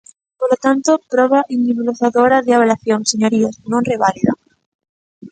Polo tanto, proba individualizadora de avaliación, señorías, non reválida.